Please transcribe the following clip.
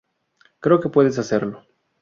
Creo que puedes hacerlo.